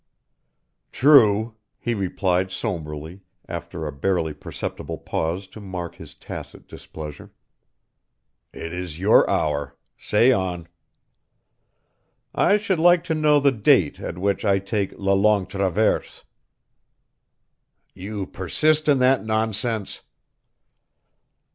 "True," he replied sombrely, after a barely perceptible pause to mark his tacit displeasure. "It is your hour. Say on." "I should like to know the date at which I take la Longue Traverse". "You persist in that nonsense?"